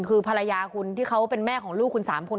คือภรรยาคุณที่เขาเป็นแม่ของลูกคุณ๓คน